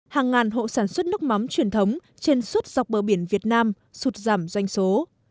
hàng ngàn hộ sản xuất nước mắm truyền thống trên suốt dọc bờ biển việt nam sụt giảm doanh số